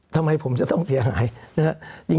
ทำไมผมจะต้องเสียหายนะครับ